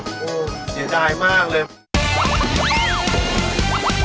มั่นใจหรือเปล่ามั่นใจ